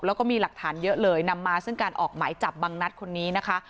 แล้วก็มีหลักฐานเยอะเลยนำมาซึ่งการออกหมายจับบังนัดคนนี้นะคะ